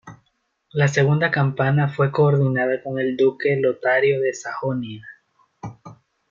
La segunda campaña fue coordinada con el duque Lotario de Sajonia.